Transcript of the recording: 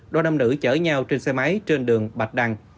đôi nam nữ chở nhau trên xe máy trên đường bạch đăng